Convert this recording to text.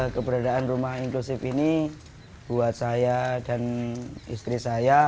keberadaan rumah inklusif ini buat saya dan istri saya